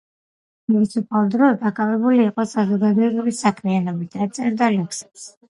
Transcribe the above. თავისუფალ დროს დაკავებული იყო საზოგადოებრივი საქმიანობით და წერდა ლექსებს.